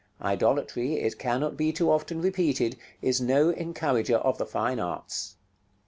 Idolatry, it cannot be too often repeated, is no encourager of the fine arts.